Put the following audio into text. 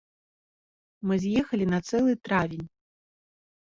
Мы з'ехалі на цэлы травень.